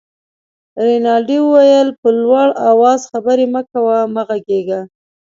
رینالډي وویل: په لوړ آواز خبرې مه کوه، مه غږېږه.